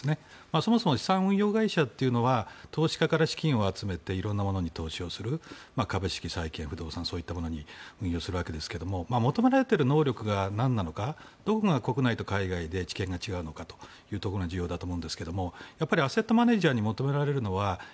そもそも資産運用会社というのは投資家から資金を集めて色んなものに投資をする株式、債権、不動産そういったものに運用するわけですが求められている能力がなんなのかどこが国内と海外で知見が違うのかが重要だと思うんですがアセットマネジャーに求められるのは。